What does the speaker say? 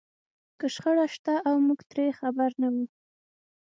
که شخړه شته او موږ ترې خبر نه وو.